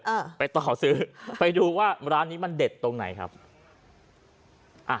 อ่าไปต่อซื้อไปดูว่าร้านนี้มันเด็ดตรงไหนครับอ่ะ